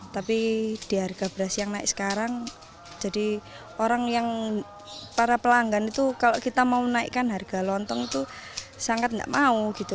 tapi di harga beras yang naik sekarang jadi orang yang para pelanggan itu kalau kita mau naikkan harga lontong itu sangat nggak mau gitu